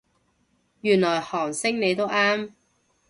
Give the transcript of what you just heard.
原來韓星你都啱